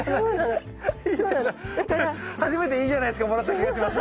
俺初めていいじゃないすかをもらった気がします。